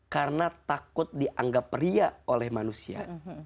karena takut dianggap ria oleh manusia